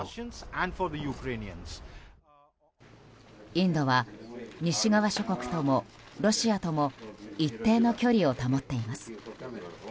インドは西側諸国ともロシアとも一定の距離を保っています。